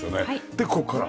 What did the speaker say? でここから。